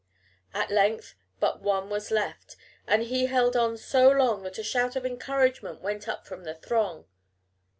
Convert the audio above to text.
At length but one was left, and he held on so long that a shout of encouragement went up from the throng.